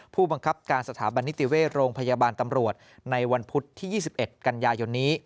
ผู้บังคับการสถาบันนิติเวชโรงพยาบาลตำรวจในวันพุธที่๒๑กันยายนนี้